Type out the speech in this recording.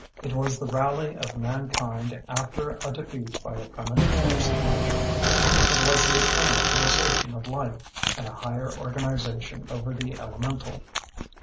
It was the rally of mankind after a defeat by a primitive force of nature. It was the eternal reassertion of human life and a higher organization over the elemental.